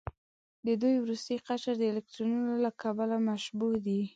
د دوی وروستی قشر د الکترونونو له کبله مشبوع دی.